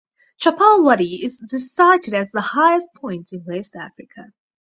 Chappal Wadi is cited as the highest point in West Africa.